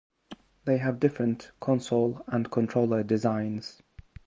They have different console and controller designs.